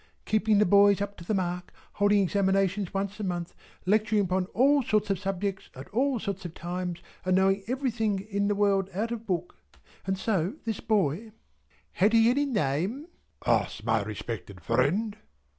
Keeping the boys up to the mark, holding examinations once a month, lecturing upon all sorts of subjects at all sorts of times, and knowing everything in the world out of book. And so this boy " "Had he any name?" asks my respected friend.